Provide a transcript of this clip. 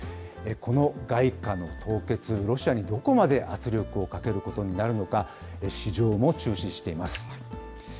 この外貨の凍結、ロシアにどこまで圧力をかけることになるのか、市場も注視しています。